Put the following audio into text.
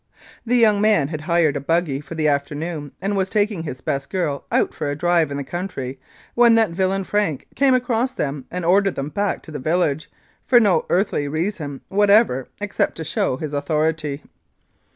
The young man had hired a buggy for the afternoon, and was taking his best girl out for a drive in the country when that villain Frank came across them and ordered them back to the village, for no earthly reason whatever except to show his authority.